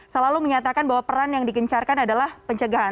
selalu menyatakan bahwa peran yang digencarkan adalah pencegahan